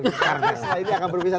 karena setelah ini akan berubah